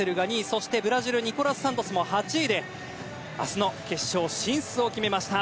そしてブラジルニコラス・サントスも８位で明日の決勝進出を決めました。